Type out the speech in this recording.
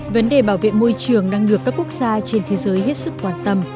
vấn đề bảo vệ môi trường đang được các quốc gia trên thế giới hết sức quan tâm